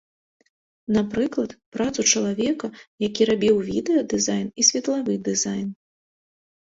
Напрыклад, працу чалавека, які рабіў відэадызайн і светлавы дызайн.